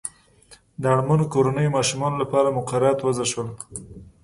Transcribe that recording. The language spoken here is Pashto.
د اړمنو کورنیو ماشومانو لپاره مقررات وضع شول.